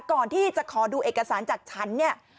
ก่อนที่จะขอดูเอกสารจากฉันเนี่ย